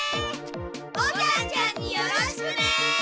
牡丹ちゃんによろしくね！